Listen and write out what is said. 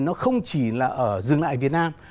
nó không chỉ là ở dừng lại việt nam